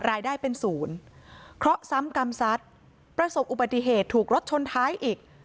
รายได้เป็นศูนย์เคราะห์ซ้ำกรรมซัดประสบอุบัติเหตุถูกรถชนท้ายอีก